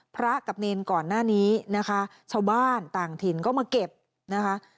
พระกับเนรก่อนหน้านี้นะคะชาวบ้านต่างถิ่นก็มาเก็บนะคะ